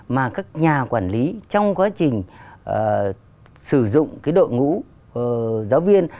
mà các nhà quản lý trong quá trình sử dụng đội ngũ giáo viên